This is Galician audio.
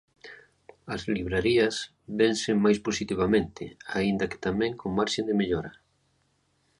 As librarías vense máis positivamente, aínda que tamén con marxe de mellora.